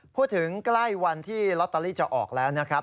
ใกล้วันที่ลอตเตอรี่จะออกแล้วนะครับ